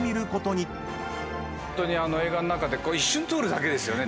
ホントに映画の中で一瞬通るだけですよね